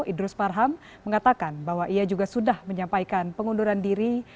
idrus farham mengatakan bahwa ia juga sudah menyampaikan pengunduran diri